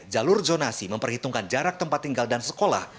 jalur zonasi memperhitungkan jarak tempat tinggal dan sekolah